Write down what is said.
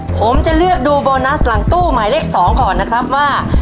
ผมจะเลือกดูโบนัสหลังตู้หมายเลข๒ก่อนนะครับว่า